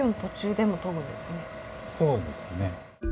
そうですね。